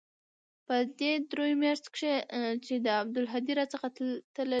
په دې درېو مياشتو کښې چې عبدالهادي را څخه تللى و.